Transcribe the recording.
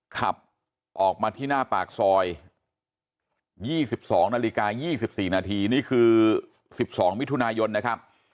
ขับออกมาที่หน้าปากซอย๒๒นาฬิกา๒๔นาทีนี่คือ๑๒มิถุนายนนะครับ